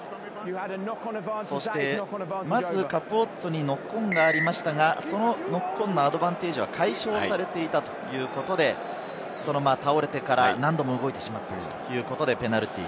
そしてカプオッツォにノックオンがありましたが、ノックオンのアドバンテージが解消されていたということで、倒れてから何度も動いてしまったということで、ペナルティー。